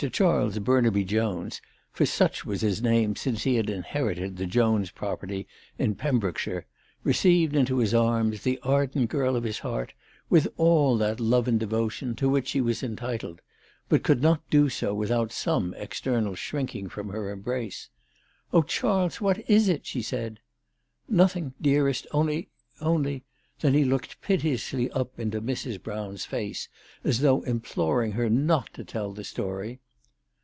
Charles Burnaby Jones, for such was his name since he had inherited the Jones property in Pembroke CHRISTMAS AT THOMPSON HALL. 255 shire, received into his arms the ardent girl of his heart with all that love and devotion to which she was entitled, but could not do so without some external shrinking from her embrace. " Oh, Charles, what is it ?" she said. " Nothing, dearest only only ." Then he looked piteously up into Mrs. Brown's face, as though im ploring her not to tell the story.